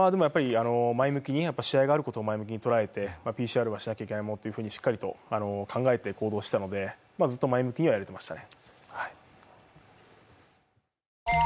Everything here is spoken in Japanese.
試合があることを前向きに捉えて、ＰＣＲはしなきゃいけないものとしっかりと考えて行動したのでずっと前向きにはいれてましたね。